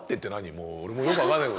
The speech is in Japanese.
もう俺もよくわかんない事。